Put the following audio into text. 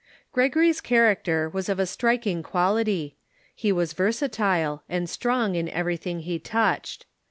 Gregory's character was of a striking qualit3\ He was ver satile, and strong in everything he touched.